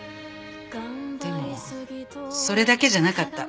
でもそれだけじゃなかった。